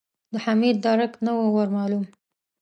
د حميد درک نه و ور مالوم.